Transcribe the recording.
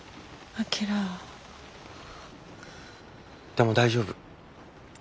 でも大丈夫。